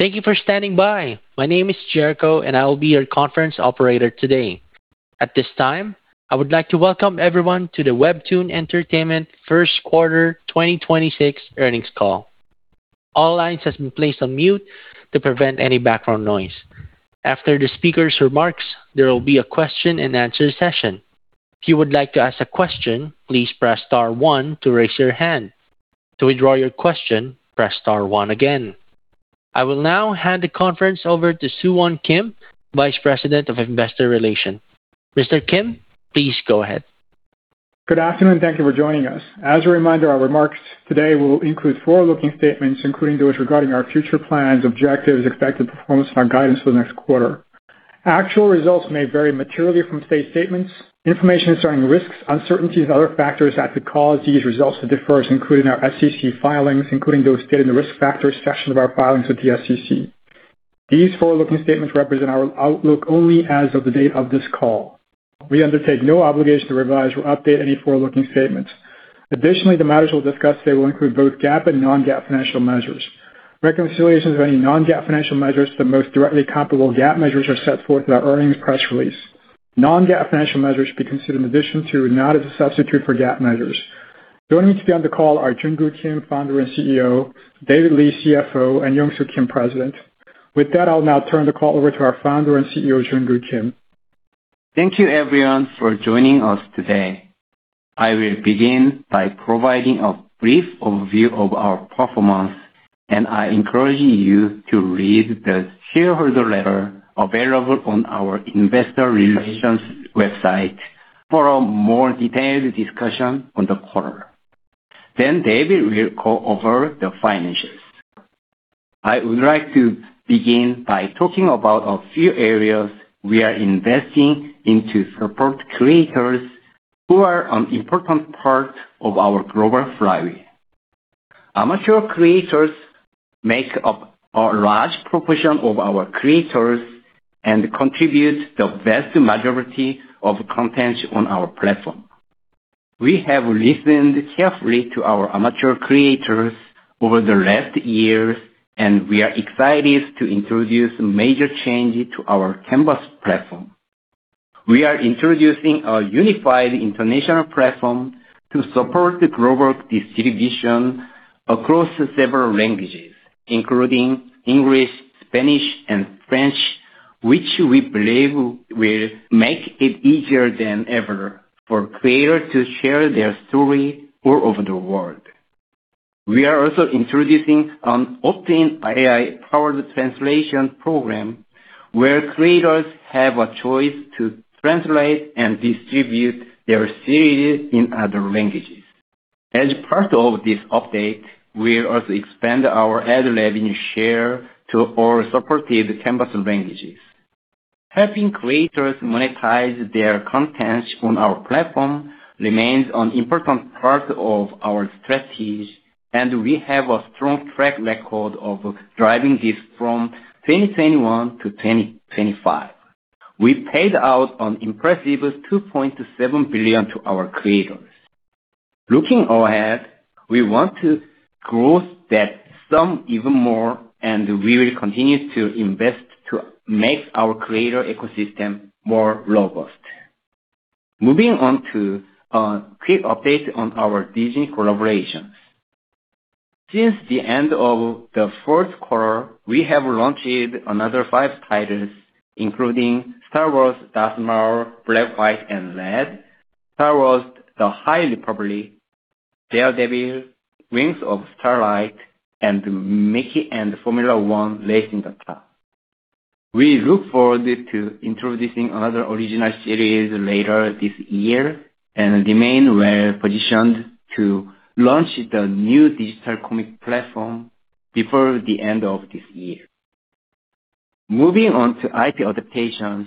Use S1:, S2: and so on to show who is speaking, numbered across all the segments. S1: Thank you for standing by. My name is Jericho, and I will be your conference operator today. At this time, I would like to welcome everyone to the WEBTOON Entertainment first quarter 2026 earnings call. All lines has been placed on mute to prevent any background noise. After the speaker's remarks, there will be a question-and-answer session. If you would like to ask a question, please press star one to raise your hand. To withdraw your question, press star one again. I will now hand the conference over to Soohwan Kim, Vice President of Investor Relations. Mr. Kim, please go ahead.
S2: Good afternoon. Thank you for joining us. As a reminder, our remarks today will include forward-looking statements, including those regarding our future plans, objectives, expected performance, and our guidance for the next quarter. Actual results may vary materially from stated statements. Information concerning risks, uncertainties, and other factors that could cause these results to differ is included in our SEC filings, including those stated in the Risk Factors section of our filings with the SEC. These forward-looking statements represent our outlook only as of the date of this call. We undertake no obligation to revise or update any forward-looking statements. Additionally, the matters we will discuss today will include both GAAP and non-GAAP financial measures. Reconciliations of any non-GAAP financial measures to the most directly comparable GAAP measures are set forth in our earnings press release. Non-GAAP financial measures should be considered in addition to, not as a substitute for, GAAP measures. Joining me on the call are Junkoo Kim, Founder and CEO, David Lee, CFO, and Yongsoo Kim, President. With that, I'll now turn the call over to our founder and CEO, Junkoo Kim.
S3: Thank you everyone for joining us today. I will begin by providing a brief overview of our performance, and I encourage you to read the shareholder letter available on our investor relations website for a more detailed discussion on the quarter. David Lee will go over the financials. I would like to begin by talking about a few areas we are investing in to support creators who are an important part of our global flywheel. Amateur creators make up a large proportion of our creators and contribute the vast majority of content on our platform. We have listened carefully to our amateur creators over the last years, and we are excited to introduce major changes to our Canvas platform. We are introducing a unified international platform to support global distribution across several languages, including English, Spanish, and French, which we believe will make it easier than ever for creators to share their story all over the world. We are also introducing an opt-in AI-powered translation program where creators have a choice to translate and distribute their series in other languages. As part of this update, we'll also expand our ad revenue share to all supported Canvas languages. Helping creators monetize their content on our platform remains an important part of our strategy. We have a strong track record of driving this from 2021 to 2025. We paid out an impressive $2.7 billion to our creators. Looking ahead, we want to grow that sum even more. We will continue to invest to make our creator ecosystem more robust. Moving on to a quick update on our Disney collaboration. Since the end of the fourth quarter, we have launched another five titles, including Star Wars: Darth Maul, Star Wars: Darth Vader - Black, White, & Red, Star Wars: The High Republic, Daredevil, Wings of Starlight, and Mickey x F1: Racing to the Top!. We look forward to introducing another original series later this year and remain well-positioned to launch the new digital comic platform before the end of this year. Moving on to IP adaptations,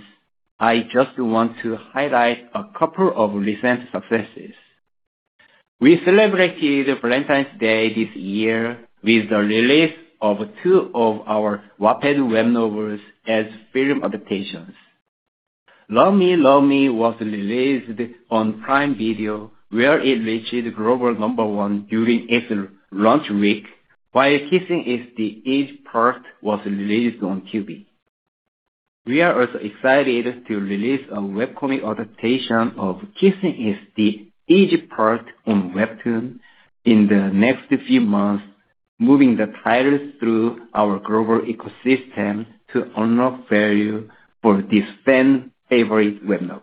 S3: I just want to highlight a couple of recent successes. We celebrated Valentine's Day this year with the release of two of our Wattpad web novels as film adaptations. Love Me, Love Me was released on Prime Video, where it reached global number one during its launch week, while Kissing is the Easy Part was released on Tubi. We are also excited to release a webcomic adaptation of Kissing is the Easy Part on WEBTOON in the next few months, moving the titles through our global ecosystem to unlock value for this fan-favorite web novel.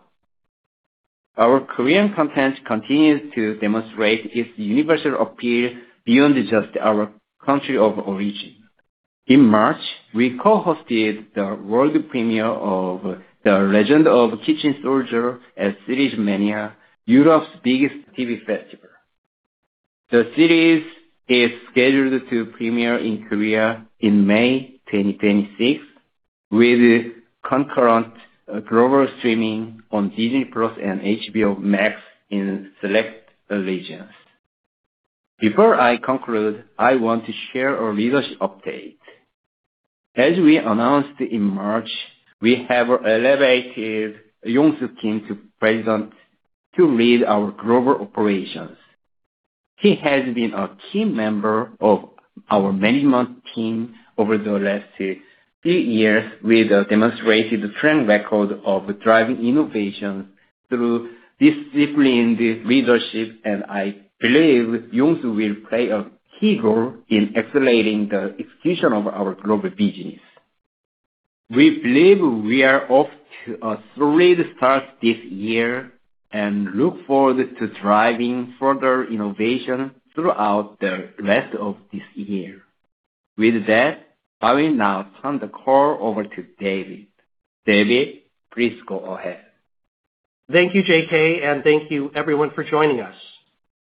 S3: Our Korean content continues to demonstrate its universal appeal beyond just our country of origin. In March, we co-hosted the world premiere of The Legend of Kitchen Soldier at Series Mania, Europe's biggest TV festival. The series is scheduled to premiere in Korea in May 2026, with concurrent global streaming on Disney+ and HBO Max in select regions. Before I conclude, I want to share a leadership update. As we announced in March, we have elevated Yongsoo Kim to President to lead our global operations. He has been a key member of our management team over the last few years with a demonstrated track record of driving innovation through disciplined leadership. I believe Yongsoo Kim will play a key role in accelerating the execution of our global business. We believe we are off to a solid start this year. We look forward to driving further innovation throughout the rest of this year. With that, I will now turn the call over to David Lee. David Lee, please go ahead.
S4: Thank you, J.K., and thank you everyone for joining us.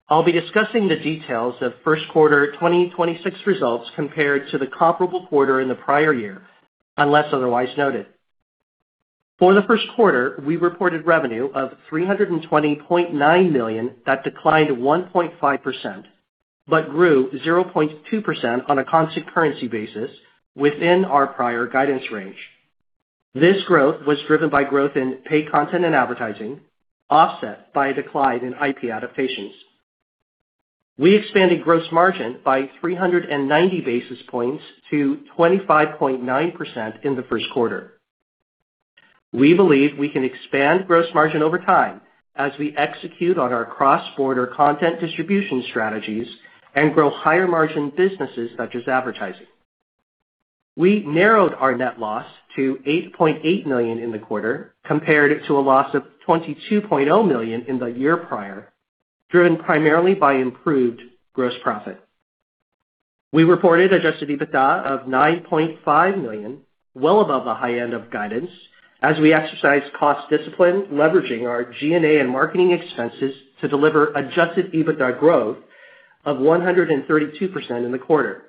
S4: I'll be discussing the details of first quarter 2026 results compared to the comparable quarter in the prior year, unless otherwise noted. For the first quarter, we reported revenue of $320.9 million that declined 1.5%, but grew 0.2% on a constant currency basis within our prior guidance range. This growth was driven by growth in paid content and advertising, offset by a decline in IP adaptations. We expanded gross margin by 390 basis points to 25.9% in the first quarter. We believe we can expand gross margin over time as we execute on our cross-border content distribution strategies and grow higher margin businesses such as advertising. We narrowed our net loss to $8.8 million in the quarter, compared to a loss of $22.0 million in the year prior, driven primarily by improved gross profit. We reported Adjusted EBITDA of $9.5 million, well above the high end of guidance, as we exercise cost discipline, leveraging our G&A and marketing expenses to deliver Adjusted EBITDA growth of 132% in the quarter.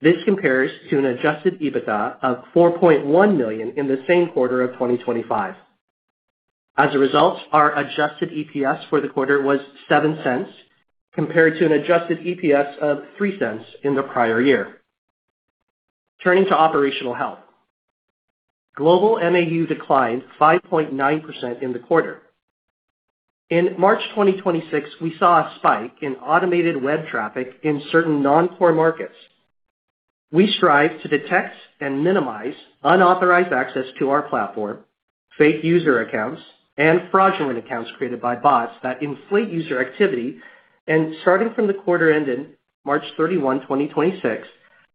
S4: This compares to an Adjusted EBITDA of $4.1 million in the same quarter of 2025. As a result, our Adjusted EPS for the quarter was $0.07, compared to an Adjusted EPS of $0.03 in the prior year. Turning to operational health. Global MAU declined 5.9% in the quarter. In March 2026, we saw a spike in automated web traffic in certain non-core markets. We strive to detect and minimize unauthorized access to our platform, fake user accounts, and fraudulent accounts created by bots that inflate user activity. Starting from the quarter ending March 31st, 2026,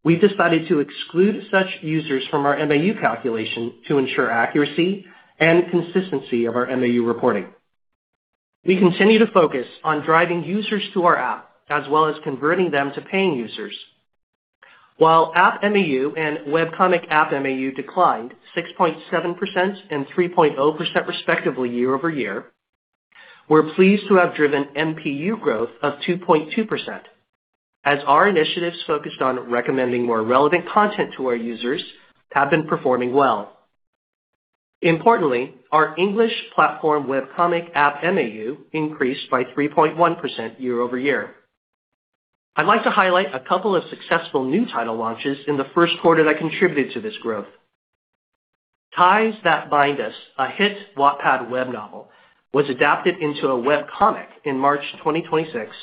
S4: we decided to exclude such users from our MAU calculation to ensure accuracy and consistency of our MAU reporting. We continue to focus on driving users to our app, as well as converting them to paying users. While app MAU and web comic app MAU declined 6.7% and 3.0% respectively YoY, we're pleased to have driven MPU growth of 2.2%, as our initiatives focused on recommending more relevant content to our users have been performing well. Importantly, our English platform web comic app MAU increased by 3.1% YoY. I'd like to highlight a couple of successful new title launches in the first quarter that contributed to this growth. Ties That Bind Us, a hit Wattpad web novel, was adapted into a web comic in March 2026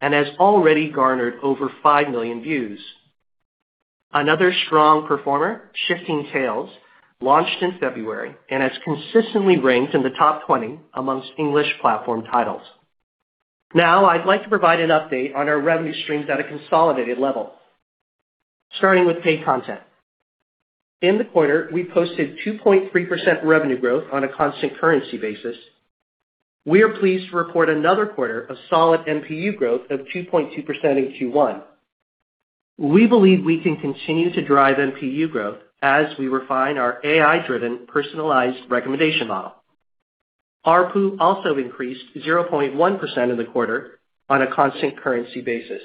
S4: and has already garnered over 5 million views. Another strong performer, Shifting Tails, launched in February and has consistently ranked in the top 20 amongst English platform titles. I'd like to provide an update on our revenue streams at a consolidated level, starting with paid content. In the quarter, we posted 2.3% revenue growth on a constant currency basis. We are pleased to report another quarter of solid MPU growth of 2.2% in Q1. We believe we can continue to drive MPU growth as we refine our AI-driven personalized recommendation model. ARPU also increased 0.1% in the quarter on a constant currency basis.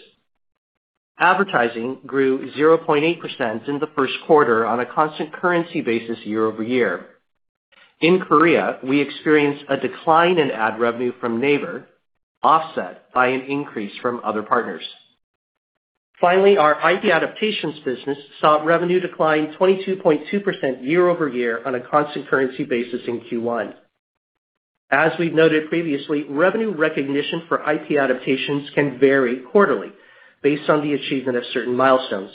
S4: Advertising grew 0.8% in the first quarter on a constant currency basis YoY. In Korea, we experienced a decline in ad revenue from Naver, offset by an increase from other partners. Finally, our IP adaptations business saw revenue decline 22.2% YoY on a constant currency basis in Q1. As we've noted previously, revenue recognition for IP adaptations can vary quarterly based on the achievement of certain milestones.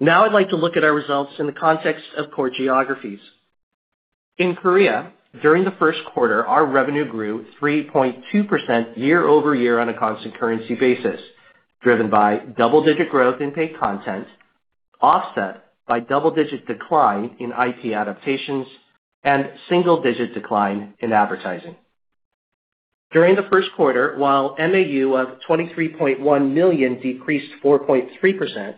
S4: Now I'd like to look at our results in the context of core geographies. In Korea, during the first quarter, our revenue grew 3.2% YoY on a constant currency basis, driven by double-digit growth in paid content, offset by double-digit decline in IP adaptations and single digit decline in advertising. During the first quarter, while MAU of 23.1 million decreased 4.3%,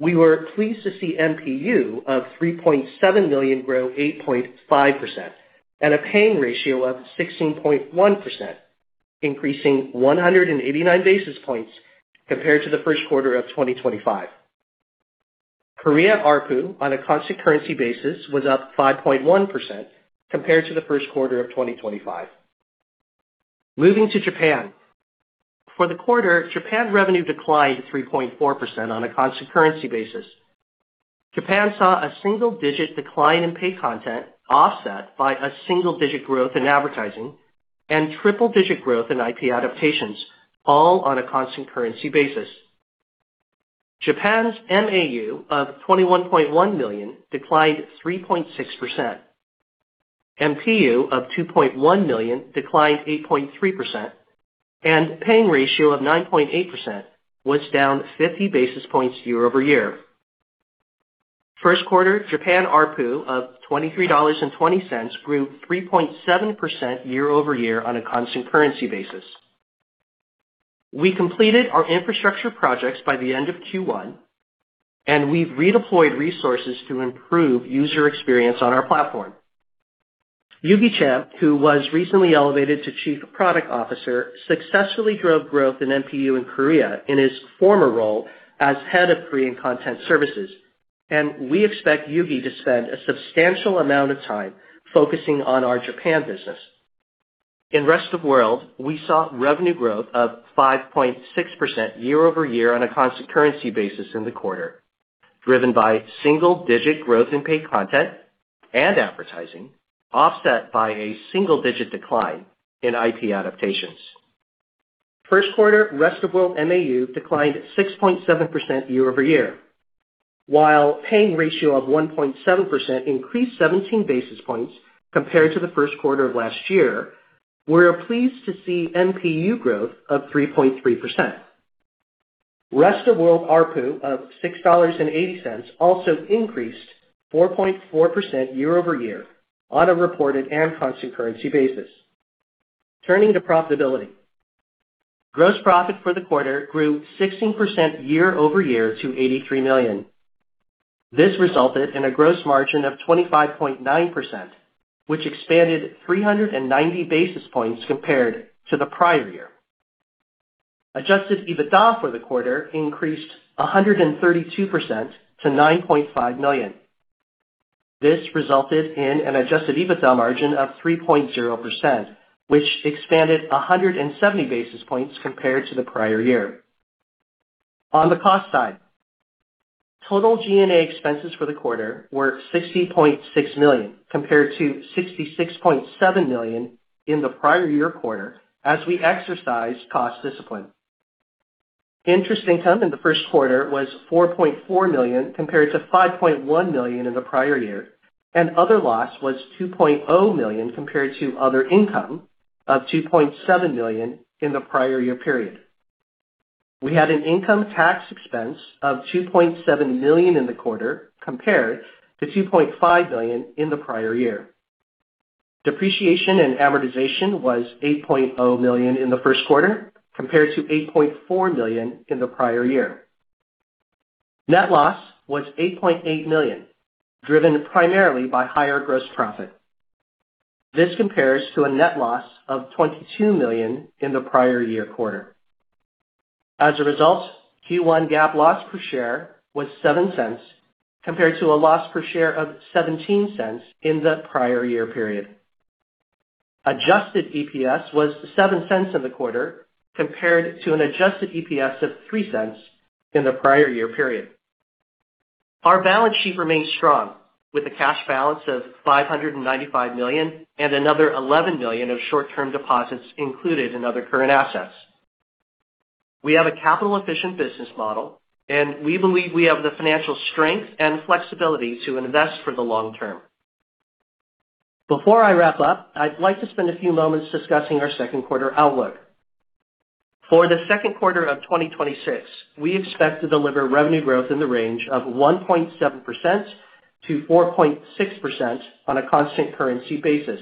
S4: we were pleased to see MPU of 3.7 million grow 8.5% and a paying ratio of 16.1%, increasing 189 basis points compared to the first quarter of 2025. Korea ARPU on a constant currency basis was up 5.1% compared to the first quarter of 2025. Moving to Japan. For the quarter, Japan revenue declined 3.4% on a constant currency basis. Japan saw a single-digit decline in paid content, offset by a single-digit growth in advertising and triple-digit growth in IP adaptations, all on a constant currency basis. Japan's MAU of 21.1 million declined 3.6%. MPU of 2.1 million declined 8.3%, paying ratio of 9.8% was down 50 basis points YoY. First quarter Japan ARPU of $23.20 grew 3.7% YoY on a constant currency basis. We completed our infrastructure projects by the end of Q1, we've redeployed resources to improve user experience on our platform. Yuki Chae, who was recently elevated to Chief Product Officer, successfully drove growth in MPU in Korea in his former role as Head of Korean Content Services. We expect Yuki Chae to spend a substantial amount of time focusing on our Japan business. In rest of world, we saw revenue growth of 5.6% YoY on a constant currency basis in the quarter, driven by single-digit growth in paid content and advertising, offset by a single-digit decline in IP adaptations. First quarter, rest of world MAU declined 6.7% YoY. While paying ratio of 1.7% increased 17 basis points compared to the first quarter of last year, we are pleased to see MPU growth of 3.3%. Rest of world ARPU of $6.80 also increased 4.4% YoY on a reported and constant currency basis. Turning to profitability. Gross profit for the quarter grew 16% YoY to $83 million. This resulted in a gross margin of 25.9%, which expanded 390 basis points compared to the prior year. Adjusted EBITDA for the quarter increased 132% to $9.5 million. This resulted in an Adjusted EBITDA margin of 3.0%, which expanded 170 basis points compared to the prior year. On the cost side, total G&A expenses for the quarter were $60.6 million, compared to $66.7 million in the prior year quarter as we exercised cost discipline. Interest income in the first quarter was $4.4 million, compared to $5.1 million in the prior year, and other loss was $2.0 million, compared to other income of $2.7 million in the prior year period. We had an income tax expense of $2.7 million in the quarter, compared to $2.5 million in the prior year. Depreciation and amortization was $8.0 million in the first quarter, compared to $8.4 million in the prior year. Net loss was $8.8 million, driven primarily by higher gross profit. This compares to a net loss of $22 million in the prior year quarter. As a result, Q1 GAAP loss per share was $0.07, compared to a loss per share of $0.17 in the prior year period. Adjusted EPS was $0.07 in the quarter, compared to an Adjusted EPS of $0.03 in the prior year period. Our balance sheet remains strong with a cash balance of $595 million and another $11 million of short-term deposits included in other current assets. We have a capital-efficient business model, and we believe we have the financial strength and flexibility to invest for the long term. Before I wrap up, I'd like to spend a few moments discussing our second quarter outlook. For the second quarter of 2026, we expect to deliver revenue growth in the range of 1.7%-4.6% on a constant currency basis.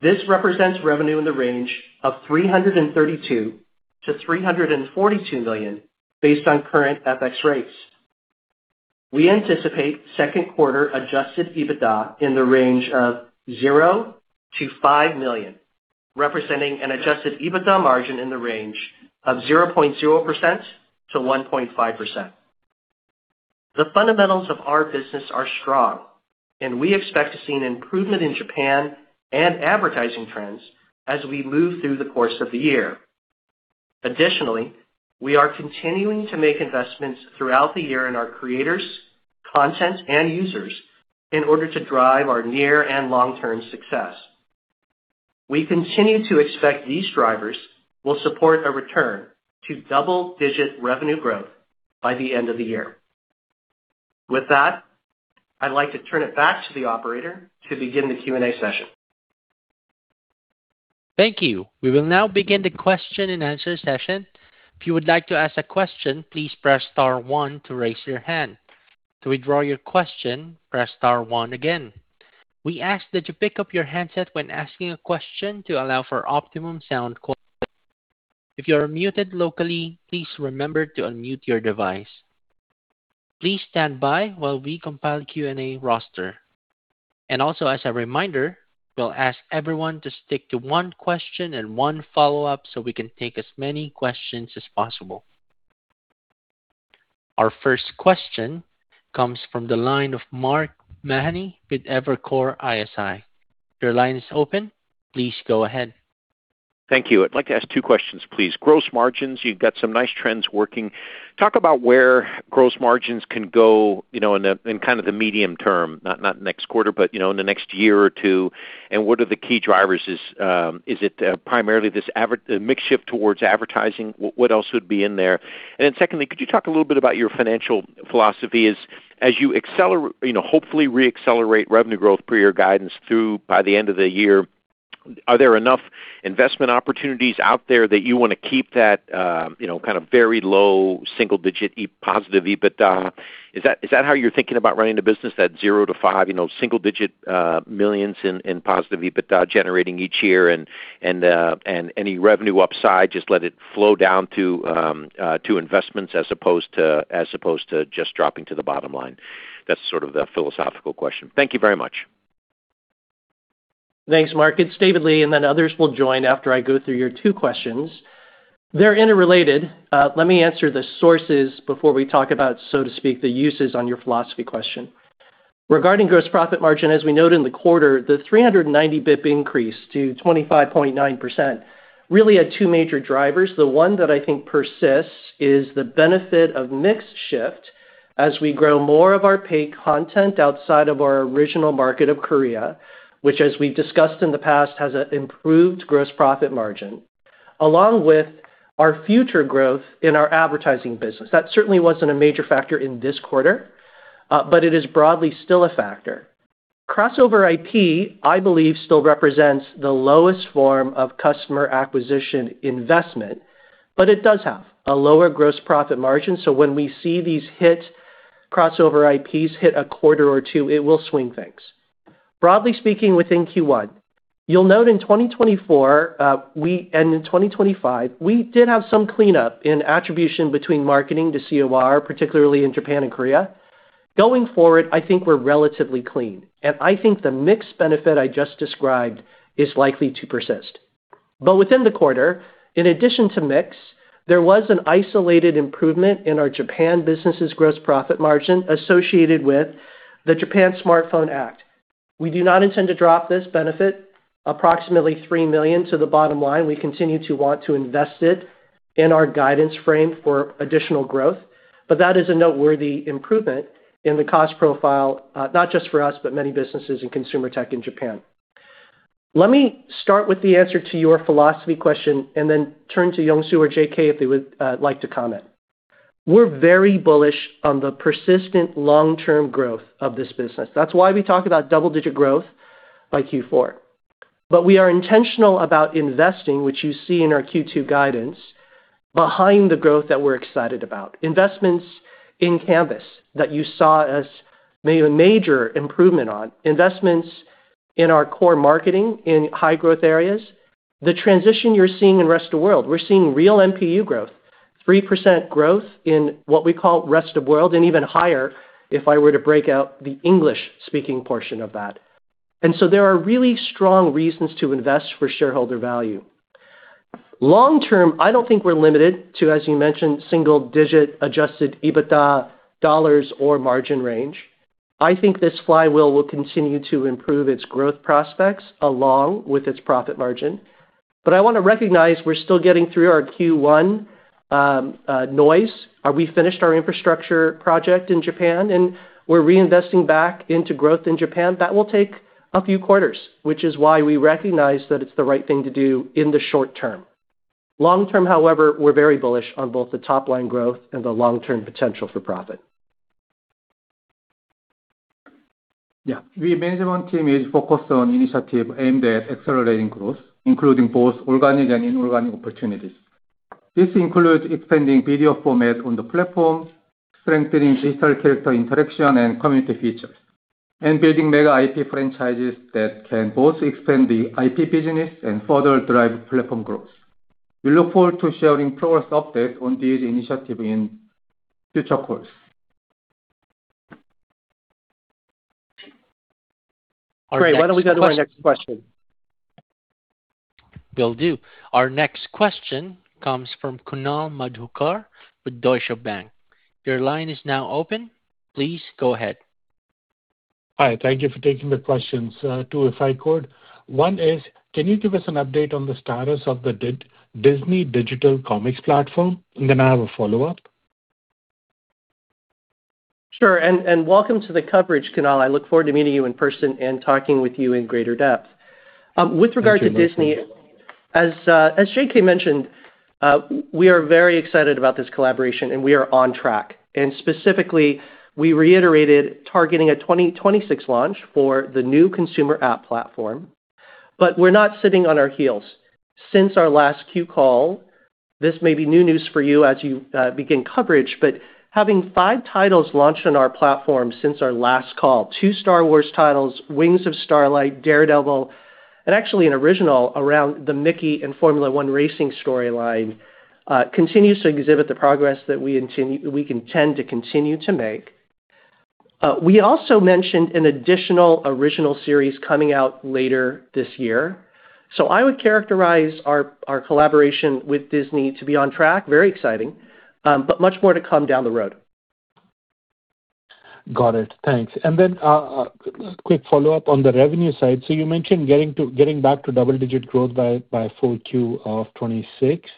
S4: This represents revenue in the range of $332 million-$342 million based on current FX rates. We anticipate second quarter Adjusted EBITDA in the range of $0-$5 million, representing an Adjusted EBITDA margin in the range of 0.0%-1.5%. The fundamentals of our business are strong, and we expect to see an improvement in Japan and advertising trends as we move through the course of the year. We are continuing to make investments throughout the year in our creators, content, and users in order to drive our near and long-term success. We continue to expect these drivers will support a return to double-digit revenue growth by the end of the year. With that, I'd like to turn it back to the operator to begin the Q&A session.
S1: Thank you. We will now begin the question and answer session. If you would like to ask a question, please press star one to raise your hand. To withdraw your question, press star one again. We ask that you pick up your handset when asking a question to allow for optimum sound quality. If you are muted locally, please remember to unmute your device. Please stand by while we compile the Q&A roster. As a reminder, we'll ask everyone to stick to one question and one follow-up so we can take as many questions as possible. Our first question comes from the line of Mark Mahaney with Evercore ISI. Your line is open. Please go ahead.
S5: Thank you. I'd like to ask two questions, please. Gross margins, you've got some nice trends working. Talk about where gross margins can go, you know, in kind of the medium term. Not next quarter, but, you know, in the next year or two, and what are the key drivers is it primarily this mix shift towards advertising? What else would be in there? Secondly, could you talk a little bit about your financial philosophy? As you know, hopefully re-accelerate revenue growth per your guidance through by the end of the year, are there enough investment opportunities out there that you want to keep that, you know, kind of very low single-digit positive EBITDA? Is that how you're thinking about running the business at $0 million-$5 million, you know, single-digit millions in positive EBITDA generating each year and any revenue upside, just let it flow down to investments as opposed to just dropping to the bottom line? That's sort of a philosophical question. Thank you very much.
S4: Thanks, Mark. It's David Lee, and then others will join after I go through your two questions. They're interrelated. Let me answer the sources before we talk about, so to speak, the uses on your philosophy question. Regarding gross profit margin, as we noted in the quarter, the 390 basis points increase to 25.9% really had two major drivers. The one that I think persists is the benefit of mix shift as we grow more of our paid content outside of our original market of Korea, which as we've discussed in the past, has a improved gross profit margin, along with our future growth in our advertising business. That certainly wasn't a major factor in this quarter, but it is broadly still a factor. Crossover IP, I believe, still represents the lowest form of customer acquisition investment, but it does have a lower gross profit margin. When we see these crossover IPs hit a quarter or two, it will swing things. Broadly speaking, within Q1, you'll note in 2024, we and in 2025, we did have some cleanup in attribution between marketing to COR, particularly in Japan and Korea. Going forward, I think we're relatively clean, and I think the mix benefit I just described is likely to persist. Within the quarter, in addition to mix, there was an isolated improvement in our Japan business' gross profit margin associated with the Japan Smartphone Act. We do not intend to drop this benefit, approximately $3 million to the bottom line. We continue to want to invest it in our guidance frame for additional growth. That is a noteworthy improvement in the cost profile, not just for us, but many businesses in consumer tech in Japan. Let me start with the answer to your philosophy question and then turn to Yongsoo or JK if they would like to comment. We're very bullish on the persistent long-term growth of this business. That's why we talk about double-digit growth by Q4. We are intentional about investing, which you see in our Q2 guidance, behind the growth that we're excited about. Investments in Canvas that you saw as major improvement on. Investments in our core marketing in high-growth areas. The transition you're seeing in rest of world. We're seeing real MPU growth, 3% growth in what we call rest of world, and even higher if I were to break out the English-speaking portion of that. There are really strong reasons to invest for shareholder value. Long term, I don't think we're limited to, as you mentioned, single digit Adjusted EBITDA dollars or margin range. I think this flywheel will continue to improve its growth prospects along with its profit margin. I wanna recognize we're still getting through our Q1 noise. Are we finished our infrastructure project in Japan and we're reinvesting back into growth in Japan? That will take a few quarters, which is why we recognize that it's the right thing to do in the short term. Long term, however, we're very bullish on both the top-line growth and the long-term potential for profit.
S6: Yeah. We management team is focused on initiative aimed at accelerating growth, including both organic and inorganic opportunities. This includes expanding video format on the platform, strengthening digital character interaction and community features, and building mega IP franchises that can both expand the IP business and further drive platform growth. We look forward to sharing progress update on these initiative in future course.
S4: Great. Why don't we go to our next question?
S1: Will do. Our next question comes from Kunal Madhukar with Deutsche Bank. Your line is now open. Please go ahead.
S7: Hi. Thank you for taking the questions. Two, if I could. One is, can you give us an update on the status of the Disney digital comics platform? Then I have a follow-up.
S4: Sure. Welcome to the coverage, Kunal. I look forward to meeting you in person and talking with you in greater depth. With regard to Disney.
S7: Thank you.
S4: As J.K. mentioned, we are very excited about this collaboration, and we are on track. Specifically, we reiterated targeting a 2026 launch for the new consumer app platform. We're not sitting on our heels. Since our last Q call, this may be new news for you as you begin coverage, but having five titles launched on our platform since our last call, 2 Star Wars titles, Wings of Starlight, Daredevil, and actually an original around the Mickey and Formula One racing storyline, continues to exhibit the progress that we intend to continue to make. We also mentioned an additional original series coming out later this year. I would characterize our collaboration with Disney to be on track, very exciting, but much more to come down the road.
S7: Got it. Thanks. Quick follow-up on the revenue side. You mentioned getting back to double-digit growth by full quarter of 26.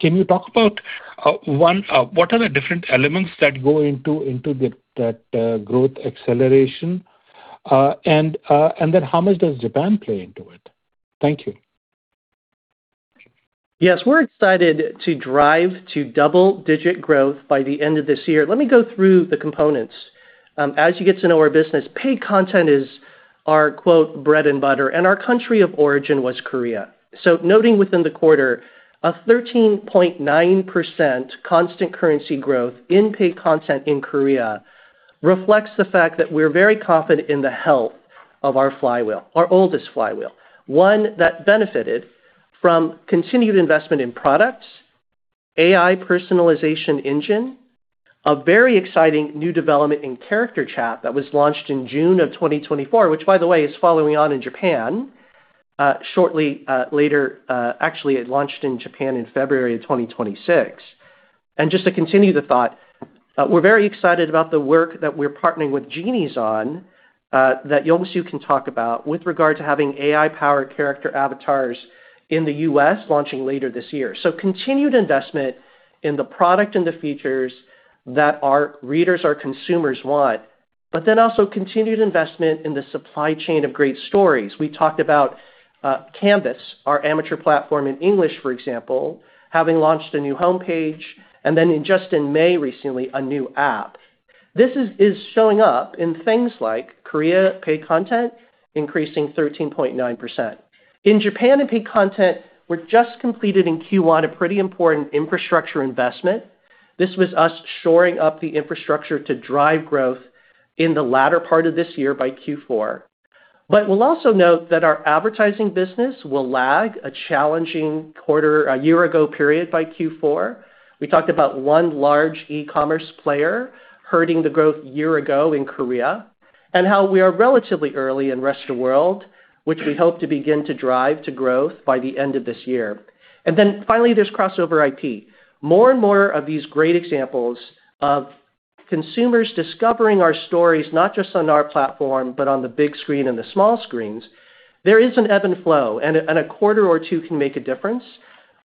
S7: Can you talk about, one, what are the different elements that go into that growth acceleration? How much does Japan play into it? Thank you.
S4: Yes. We're excited to drive to double-digit growth by the end of this year. Let me go through the components. As you get to know our business, paid content is our quote, "Bread and butter," and our country of origin was Korea. Noting within the quarter, a 13.9% constant currency growth in paid content in Korea reflects the fact that we're very confident in the health of our flywheel, our oldest flywheel. One that benefited from continued investment in products, AI personalization engine, a very exciting new development in character chat that was launched in June of 2024, which by the way, is following on in Japan, shortly, later. Actually it launched in Japan in February of 2026. Just to continue the thought, we're very excited about the work that we're partnering with Genies on, that Yongsoo Kim can talk about with regard to having AI-powered character avatars in the U.S. launching later this year. Continued investment in the product and the features that our readers, our consumers want, also continued investment in the supply chain of great stories. We talked about Canvas, our amateur platform in English, for example, having launched a new homepage, in just in May recently, a new app. This is showing up in things like Korea paid content increasing 13.9%. In Japan, in paid content, we're just completed in Q1 a pretty important infrastructure investment. This was us shoring up the infrastructure to drive growth in the latter part of this year by Q4. We'll also note that our advertising business will lag a challenging quarter a year-ago period by Q4. We talked about one large e-commerce player hurting the growth year ago in Korea, and how we are relatively early in rest of world, which we hope to begin to drive to growth by the end of this year. Finally, there's crossover IP. More and more of these great examples of consumers discovering our stories, not just on our platform, but on the big screen and the small screens. There is an ebb and flow, and a quarter or two can make a difference.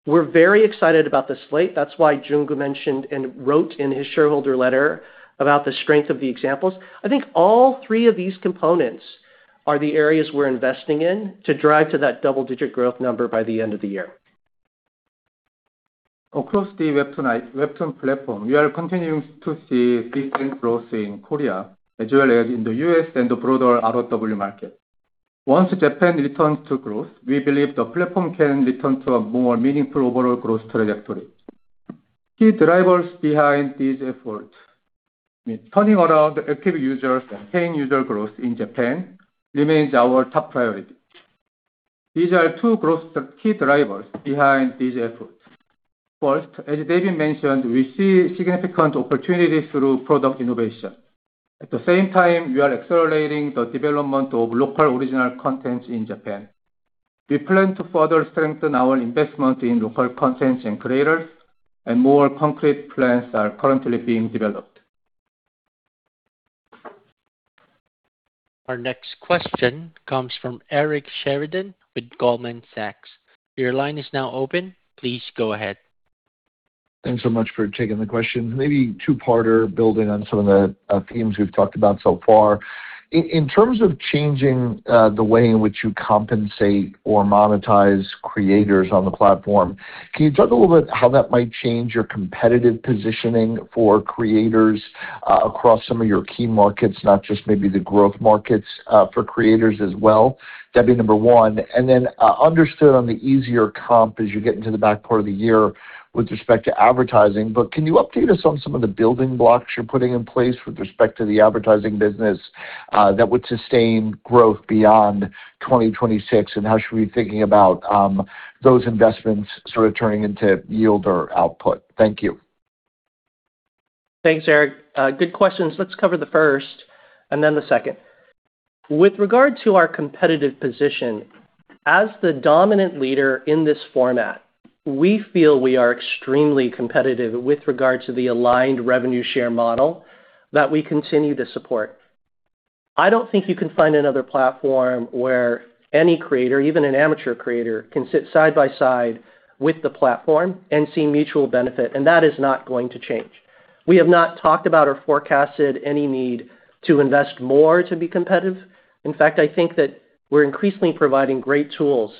S4: We're very excited about the slate. That's why Junkoo Kim mentioned and wrote in his shareholder letter about the strength of the examples. I think all three of these components are the areas we're investing in to drive to that double-digit growth number by the end of the year.
S6: Across the WEBTOON platform, we are continuing to see decent growth in Korea, as well as in the U.S. and the broader ROW market. Once Japan returns to growth, we believe the platform can return to a more meaningful overall growth trajectory. Key drivers behind these efforts. Turning around the active users and paying user growth in Japan remains our top priority. As David mentioned, we see significant opportunities through product innovation. We are accelerating the development of local original content in Japan. We plan to further strengthen our investment in local content and creators. More concrete plans are currently being developed.
S1: Our next question comes from Eric Sheridan with Goldman Sachs. Your line is now open. Please go ahead.
S8: Thanks so much for taking the question. Maybe 2-parter building on some of the themes we've talked about so far. In terms of changing the way in which you compensate or monetize creators on the platform, can you talk a little bit how that might change your competitive positioning for creators across some of your key markets, not just maybe the growth markets for creators as well? That'd be number one. Understood on the easier comp as you get into the back part of the year with respect to advertising, can you update us on some of the building blocks you're putting in place with respect to the advertising business that would sustain growth beyond 2026? How should we be thinking about those investments sort of turning into yield or output? Thank you.
S4: Thanks, Eric. Good questions. Let's cover the first and then the second. With regard to our competitive position, as the dominant leader in this format, we feel we are extremely competitive with regard to the aligned revenue share model that we continue to support. I don't think you can find another platform where any creator, even an amateur creator, can sit side by side with the platform and see mutual benefit, and that is not going to change. We have not talked about or forecasted any need to invest more to be competitive. In fact, I think that we're increasingly providing great tools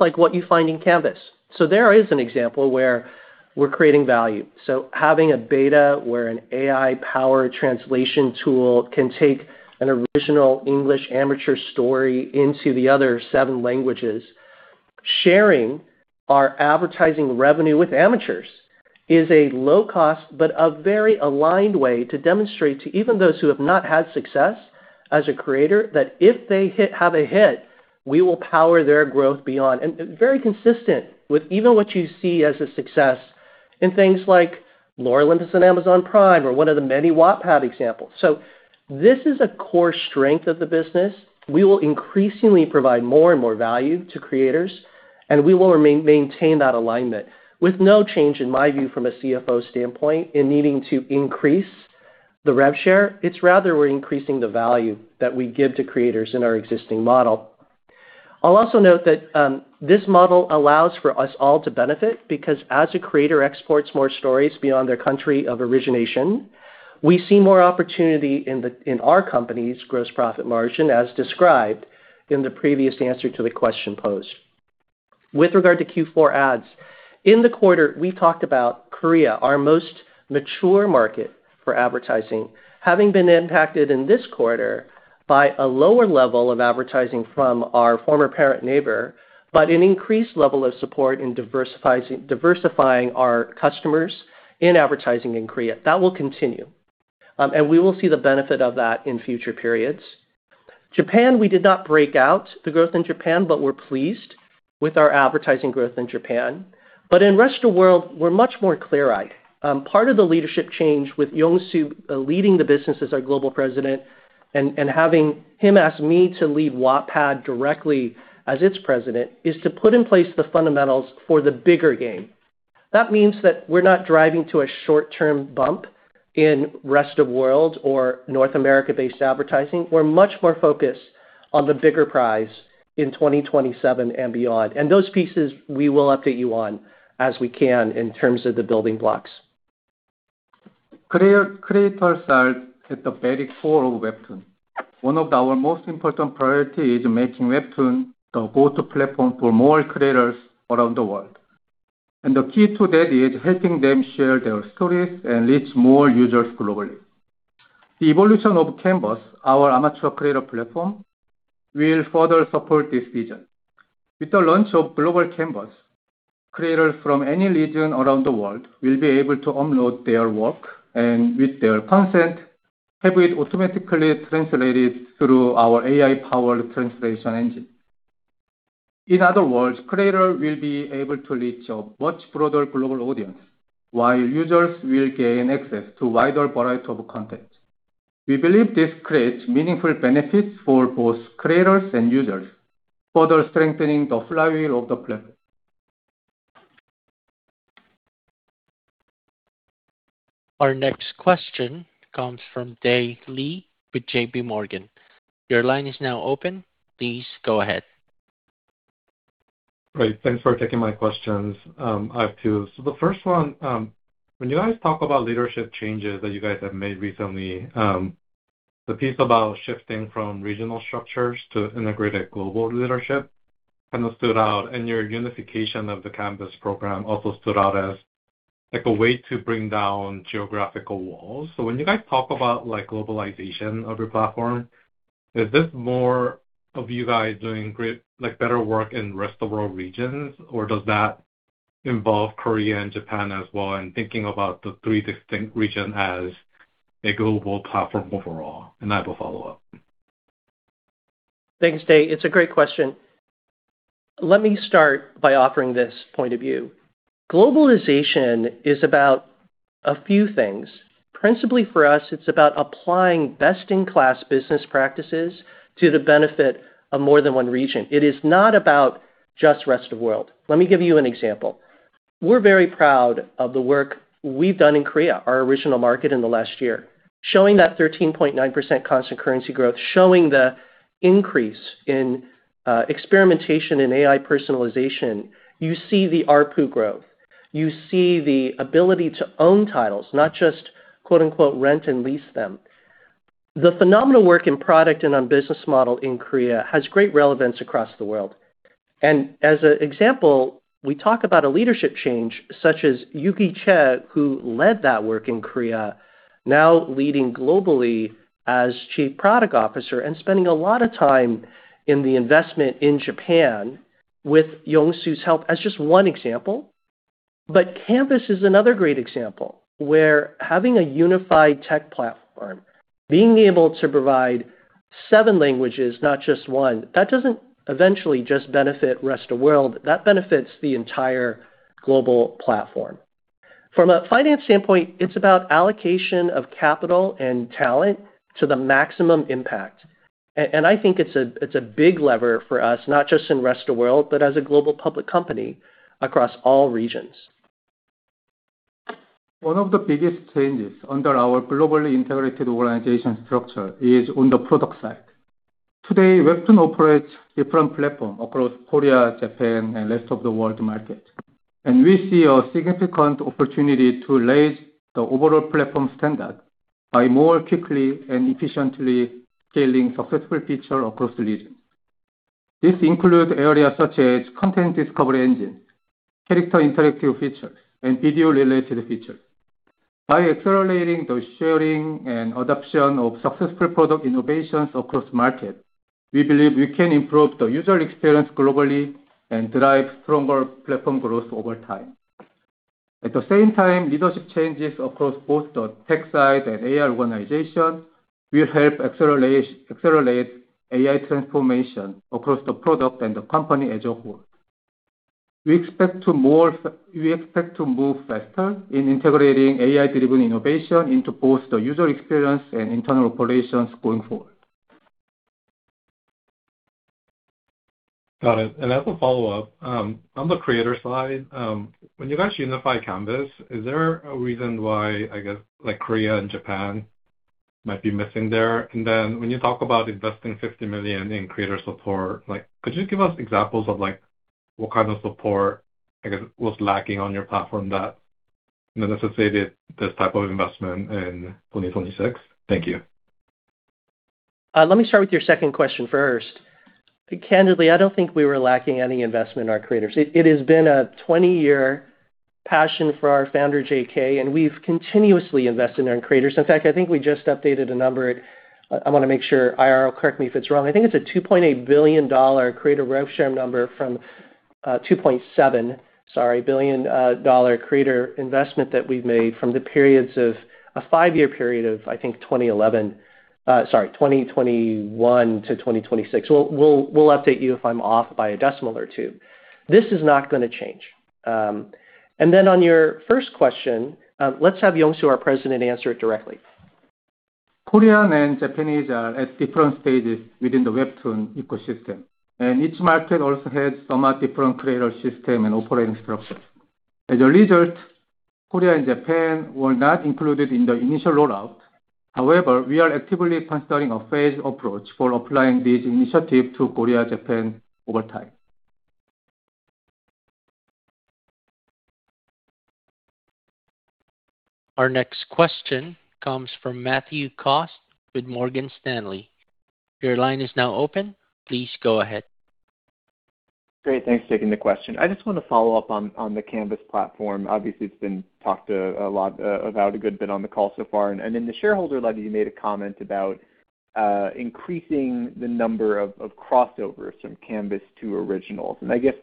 S4: like what you find in Canvas. There is an example where we're creating value, having a beta where an AI-powered translation tool can take an original English amateur story into the other seven languages. Sharing our advertising revenue with amateurs is a low cost, a very aligned way to demonstrate to even those who have not had success as a creator, that if they have a hit, we will power their growth beyond. Very consistent with even what you see as a success in things like Lore Olympus on Prime Video or one of the many Wattpad examples. This is a core strength of the business. We will increasingly provide more and more value to creators, we will maintain that alignment with no change, in my view, from a CFO standpoint in needing to increase the rev share. It's rather we're increasing the value that we give to creators in our existing model. I'll also note that this model allows for us all to benefit because as a creator exports more stories beyond their country of origination, we see more opportunity in our company's gross profit margin, as described in the previous answer to the question posed. With regard to Q4 ads, in the quarter, we talked about Korea, our most mature market for advertising, having been impacted in this quarter by a lower level of advertising from our former parent Naver, but an increased level of support in diversifying our customers in advertising in Korea. That will continue, and we will see the benefit of that in future periods. Japan, we did not break out the growth in Japan, but we're pleased with our advertising growth in Japan. In rest of world, we're much more clear-eyed. Part of the leadership change with Yongsoo leading the business as our Global President and having him ask me to lead Wattpad directly as its President is to put in place the fundamentals for the bigger game. That means that we're not driving to a short-term bump in rest of world or North America-based advertising. We're much more focused on the bigger prize in 2027 and beyond. Those pieces we will update you on as we can in terms of the building blocks.
S6: Clear creators are at the very core of WEBTOON. One of our most important priority is making WEBTOON the go-to platform for more creators around the world. The key to that is helping them share their stories and reach more users globally. The evolution of Canvas, our amateur creator platform, will further support this vision. With the launch of Global Canvas, creators from any region around the world will be able to upload their work, and with their consent, have it automatically translated through our AI-powered translation engine. In other words, creator will be able to reach a much broader global audience, while users will gain access to wider variety of content. We believe this creates meaningful benefits for both creators and users, further strengthening the flywheel of the platform.
S1: Our next question comes from Dae Lee with J.P. Morgan. Your line is now open. Please go ahead.
S9: Great. Thanks for taking my questions. I have two. The first one, when you guys talk about leadership changes that you guys have made recently, the piece about shifting from regional structures to integrated global leadership kind of stood out, and your unification of the Canvas program also stood out as, like, a way to bring down geographical walls. When you guys talk about, like, globalization of your platform, is this more of you guys doing better work in rest-of-world regions, or does that involve Korea and Japan as well, and thinking about the three distinct regions as a global platform overall? I have a follow-up.
S4: Thanks, Dae. It's a great question. Let me start by offering this point of view. Globalization is about a few things. Principally for us, it's about applying best-in-class business practices to the benefit of more than one region. It is not about just rest of world. Let me give you an example. We're very proud of the work we've done in Korea, our original market in the last year, showing that 13.9% constant currency growth, showing the increase in experimentation in AI personalization. You see the ARPU growth. You see the ability to own titles, not just, quote-unquote, rent and lease them. The phenomenal work in product and on business model in Korea has great relevance across the world. As an example, we talk about a leadership change such as Yuki Chae, who led that work in Korea, now leading globally as Chief Product Officer and spending a lot of time in the investment in Japan with Yongsoo Kim's help as just one example. Canvas is another great example, where having a unified tech platform, being able to provide seven languages, not just one, that doesn't eventually just benefit rest of world, that benefits the entire global platform. From a finance standpoint, it's about allocation of capital and talent to the maximum impact. And I think it's a big lever for us, not just in rest of world, but as a global public company across all regions.
S6: One of the biggest changes under our globally integrated organization structure is on the product side. Today, WEBTOON operates different platform across Korea, Japan, and rest of the world market, and we see a significant opportunity to raise the overall platform standard by more quickly and efficiently scaling successful feature across regions. This includes areas such as content discovery engine, character interactive features, and video-related features. By accelerating the sharing and adoption of successful product innovations across markets, we believe we can improve the user experience globally and drive stronger platform growth over time. At the same time, leadership changes across both the tech side and AI organization will help accelerate AI transformation across the product and the company as a whole. We expect to move faster in integrating AI-driven innovation into both the user experience and internal operations going forward.
S9: Got it. As a follow-up, on the creator side, when you guys unify Canvas, is there a reason why, I guess, like Korea and Japan might be missing there. Then when you talk about investing $50 million in creator support, like, could you give us examples of, like, what kind of support, I guess, was lacking on your platform that necessitated this type of investment in 2026? Thank you.
S4: Let me start with your second question first. Candidly, I don't think we were lacking any investment in our creators. It has been a 20-year passion for our founder, JK, and we've continuously invested in our creators. In fact, I think we just updated a number. I wanna make sure, IR will correct me if it's wrong. I think it's a $2.8 billion creator rev share number from $2.7 billion, sorry, creator investment that we've made from the periods of a five-year period of, I think, 2011, sorry, 2021 to 2026. We'll update you if I'm off by a decimal or two. This is not gonna change. On your first question, let's have Yongsoo Kim, our President, answer it directly.
S6: Korean and Japanese are at different stages within the WEBTOON ecosystem, and each market also has somewhat different creator system and operating structures. As a result, Korea and Japan were not included in the initial rollout. However, we are actively considering a phased approach for applying this initiative to Korea/Japan over time.
S1: Our next question comes from Matthew Cost with Morgan Stanley. Your line is now open. Please go ahead.
S10: Great. Thanks. Taking the question. I just wanna follow up on the Canvas platform. Obviously, it's been talked a lot about a good bit on the call so far. In the shareholder letter, you made a comment about increasing the number of crossovers from Canvas to ORIGINALS. I guess,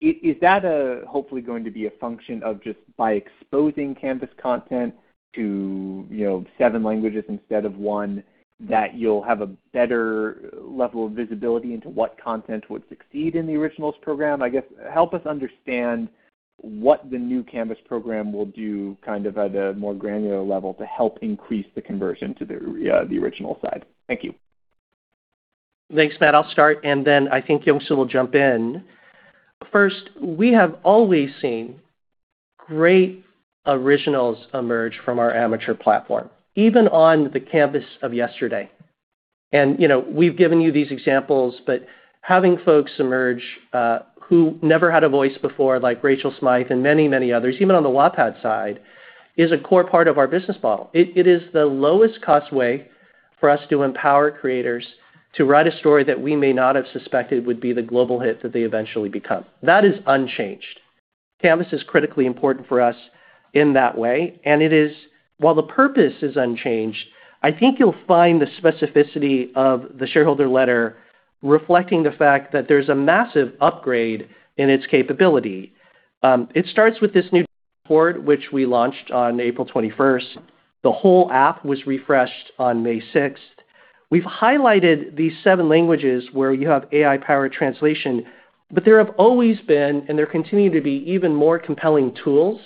S10: is that hopefully going to be a function of just by exposing Canvas content to, you know, seven languages instead of one, that you'll have a better level of visibility into what content would succeed in the ORIGINALS program? I guess, help us understand what the new Canvas program will do kind of at a more granular level to help increase the conversion to the ORIGINALS side. Thank you.
S4: Thanks, Matt. I'll start, and then I think Yongsoo Kim will jump in. First, we have always seen great ORIGINALS emerge from our amateur platform, even on the Canvas of yesterday. You know, we've given you these examples, but having folks emerge who never had a voice before, like Rachel Smythe and many, many others, even on the Wattpad side, is a core part of our business model. It is the lowest cost way for us to empower creators to write a story that we may not have suspected would be the global hit that they eventually become. That is unchanged. Canvas is critically important for us in that way. While the purpose is unchanged, I think you'll find the specificity of the shareholder letter reflecting the fact that there's a massive upgrade in its capability. It starts with this new board, which we launched on April 21st. The whole app was refreshed on May 6th. We've highlighted these seven languages where you have AI-powered translation, but there have always been, and there continue to be, even more compelling tools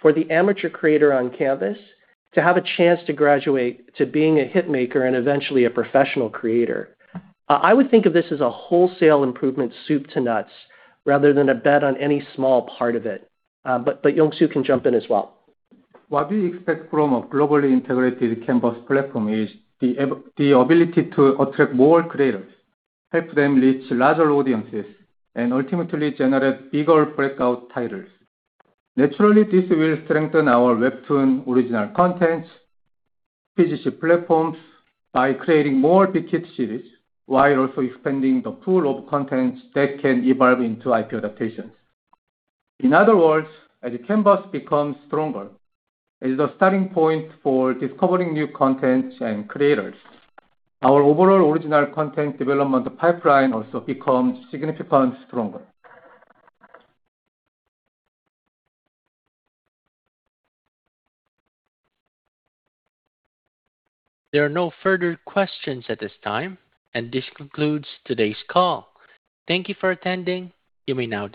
S4: for the amateur creator on Canvas to have a chance to graduate to being a hit maker and eventually a professional creator. I would think of this as a wholesale improvement, soup to nuts, rather than a bet on any small part of it. Yongsoo Kim can jump in as well.
S6: What we expect from a globally integrated Canvas platform is the ability to attract more creators, help them reach larger audiences, and ultimately generate bigger breakout titles. Naturally, this will strengthen our WEBTOON original contents, PGC platforms by creating more big hit series, while also expanding the pool of contents that can evolve into IP adaptations. In other words, as Canvas becomes stronger, as the starting point for discovering new contents and creators, our overall original content development pipeline also becomes significantly stronger.
S1: There are no further questions at this time, and this concludes today's call. Thank you for attending. You may now disconnect.